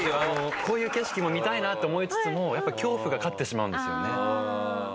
こういう景色も見たいなと思いつつもやっぱり恐怖が勝ってしまうんですよね。